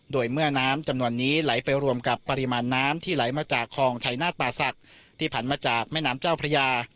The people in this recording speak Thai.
โดยเมื่อน้ำจำนวนนี้ไหลไปรวมกับปริมาณน้ำที่ไหลมาจากคลองชายนาฏป่าศักดิ์ที่ผ่านมาจากแม่น้ำเจ้าพระยา